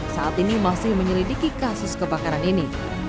saat ini masih menyelidiki kasus kebakaran ini